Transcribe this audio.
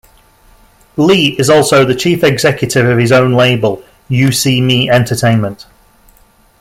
Lee is also the chief executive of his own label, U C Me Entertainment.